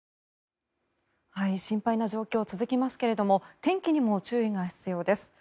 心配な状況が続きますけれども天気にも注意が必要です。